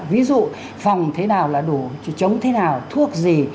ví dụ phòng thế nào là đủ chống thế nào thuốc gì